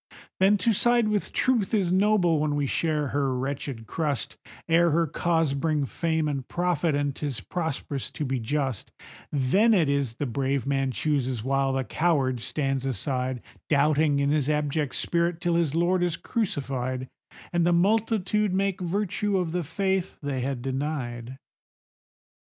Then to side with Truth is noble when we share her wretched crust, Ere her cause bring fame and profit, and 'tis prosperous to be just; Then it is the brave man chooses, while the coward stands aside, Doubting in his abject spirit, till his Lord is crucified, And the multitude make virtue of the faith they had denied.